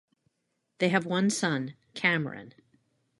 They have one son Cameron.